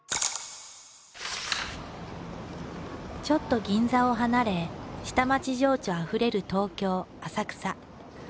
ちょっと銀座を離れ下町情緒あふれる東京浅草。